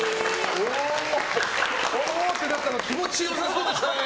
おおー！ってなったの気持ち良さそうでしたね。